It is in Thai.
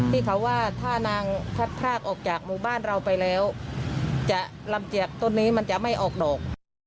ที่เขาว่าถ้านางพัดพรากออกจากหมู่บ้านเราไปแล้วจะลำเจียกต้นนี้มันจะไม่ออกดอก